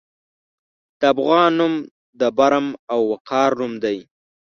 د افغان نوم د برم او وقار نوم دی.